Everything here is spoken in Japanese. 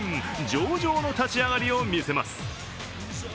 上々の立ち上がりを見せます。